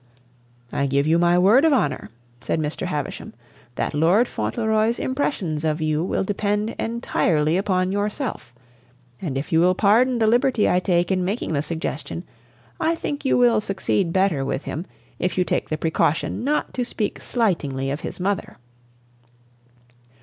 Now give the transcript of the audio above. "I give you my word of honor," said Mr. Havisham, "that Lord Fauntleroy's impressions of you will depend entirely upon yourself. And if you will pardon the liberty I take in making the suggestion, I think you will succeed better with him if you take the precaution not to speak slightingly of his mother."